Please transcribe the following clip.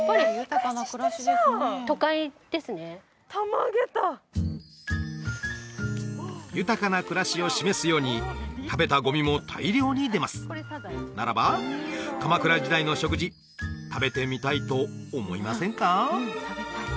たまげた豊かな暮らしを示すように食べたゴミも大量に出ますならば鎌倉時代の食事食べてみたいと思いませんか？